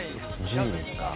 樹ですか？